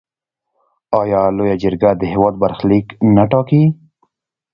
آیا لویه جرګه د هیواد برخلیک نه ټاکي؟